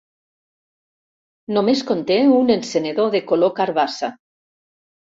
Només conté un encenedor de color carbassa.